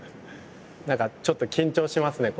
何かちょっと緊張しますね